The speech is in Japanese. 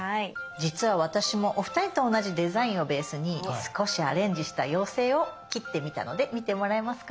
実は私もお二人と同じデザインをベースに少しアレンジした妖精を切ってみたので見てもらえますか。